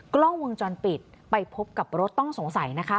กล้องวงจรปิดไปพบกับรถต้องสงสัยนะคะ